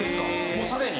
もうすでに。